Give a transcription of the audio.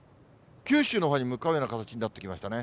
九州のほうに向かうような形になってきましたね。